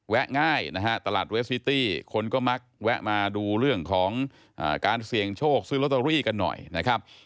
ง่ายนะฮะตลาดเวสซิตี้คนก็มักแวะมาดูเรื่องของการเสี่ยงโชคซื้อลอตเตอรี่กันหน่อยนะครับ